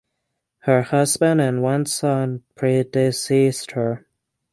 Her husband and one son predeceased her.